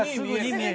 「見える」。